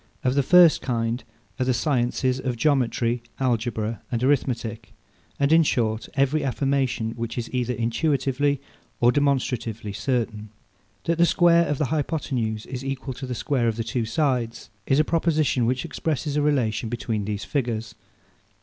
Of the first kind are the sciences of Geometry, Algebra, and Arithmetic; and in short, every affirmation which is either intuitively or demonstratively certain. That the square of the hypothenuse is equal to the square of the two sides, is a proposition which expresses a relation between these figures.